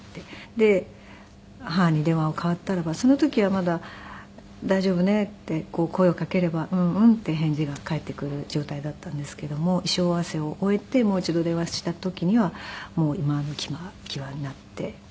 で母に電話を代わったらばその時はまだ「大丈夫ね」って声をかければ「うんうん」って返事が返ってくる状態だったんですけども。衣装合わせを終えてもう一度電話した時にはもういまわの際になっていて。